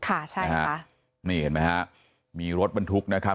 ค่ะใช่ค่ะนี่เห็นไหมฮะมีรถบรรทุกนะครับ